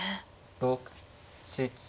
６７。